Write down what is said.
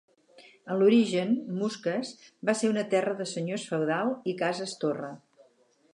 En l'origen, Musques va ser una terra de senyors feudals i cases-torre.